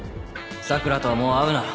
咲良とはもう会うな。